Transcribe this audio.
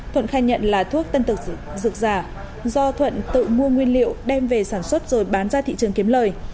thuận khai nhận là thuốc tân tự dược giả do thuận tự mua nguyên liệu đem về sản xuất rồi bán ra thị trường kiếm lời